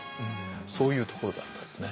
そういうところだったですね。